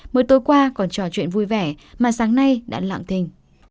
mỗi tối qua còn trò chuyện vui vẻ mà sáng nay đã lặng thình